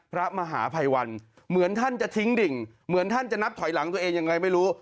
พระมหาภัยวันเหมือนท่านจะทิ้งดิ่งเหมือนท่านจะนับถอยหลังตัวเองยังไงไม่รู้